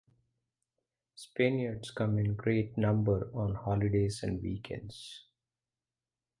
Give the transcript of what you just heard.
Spaniards come in great number on holidays and weekends.